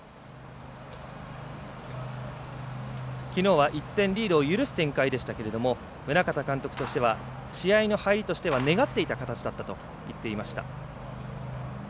きのうは１点リードを許す展開でしたけれども宗像監督としては試合の入りとしては願っていた形だったと言っていました。